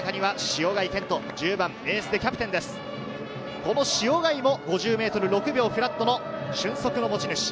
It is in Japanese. この塩貝も５０ｍ６秒フラットの俊足の持ち味。